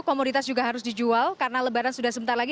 komoditas juga harus dijual karena lebaran sudah sebentar lagi